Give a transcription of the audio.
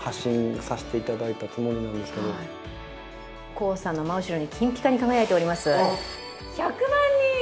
コウさんの真後ろに金ピカに輝いております、１００万人。